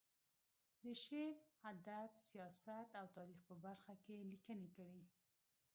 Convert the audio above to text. د شعر، ادب، سیاست او تاریخ په برخه کې یې لیکنې کړې.